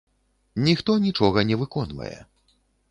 Ніхто нічога не выконвае.